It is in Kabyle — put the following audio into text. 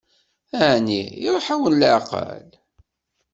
Ɛni iṛuḥ-awen leɛqel?